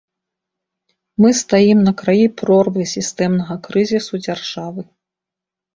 Мы стаім на краі прорвы сістэмнага крызісу дзяржавы.